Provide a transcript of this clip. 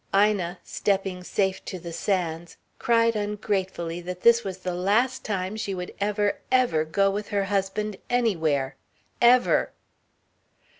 Ina, stepping safe to the sands, cried ungratefully that this was the last time that she would ever, ever go with her husband anywhere. Ever.